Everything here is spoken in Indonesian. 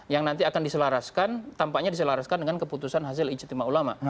yang nanti akan diselaraskan tampaknya diselaraskan dengan keputusan hasil ijtima ulama